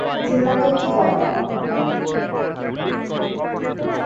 জেলা তথ্য বাতায়ন